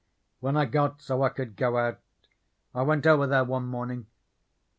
"When I got so I could go out, I went over there one morning.